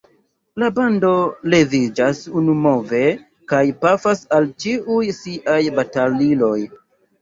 La bando leviĝas unumove kaj pafas el ĉiuj siaj bataliloj.